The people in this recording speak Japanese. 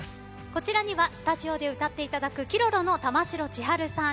こちらにはスタジオで歌っていただけるＫｉｒｏｒｏの玉城千春さん